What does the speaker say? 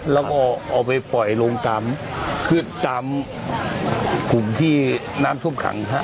แล้วก็ออกไปปล่อยลงตามคุมที่น้ำทุ่มขัง